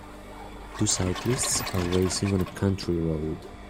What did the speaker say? Two cyclists are racing on a country road.